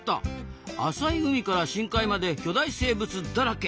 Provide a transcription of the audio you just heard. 浅い海から深海まで巨大生物だらけ！